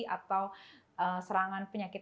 atau serangan penyakit